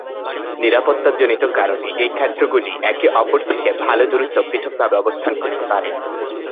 নিরাপত্তাজনিত কারণে এই ক্ষেত্রগুলি একে অপর থেকে ভাল দূরত্বে পৃথকভাবে অবস্থান করতে পারে।